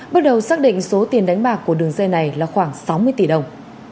bước đầu xác định số tiền đánh bạc của đường dây này là khoảng sáu mươi tỷ đồng